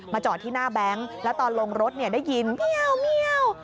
จอดที่หน้าแบงค์แล้วตอนลงรถได้ยินเมียว